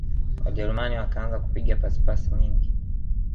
wajerumani wakaanza kupiga pasi pasi nyingi